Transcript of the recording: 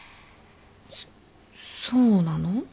そっそうなの？